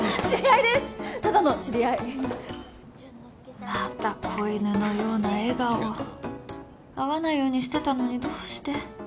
知り合いですただの知り合いまた子犬のような笑顔会わないようにしてたのにどうして？